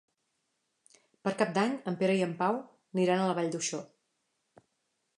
Per Cap d'Any en Pere i en Pau aniran a la Vall d'Uixó.